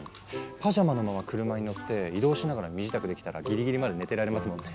パジャマのまま車に乗って移動しながら身支度できたらギリギリまで寝てられますもんね。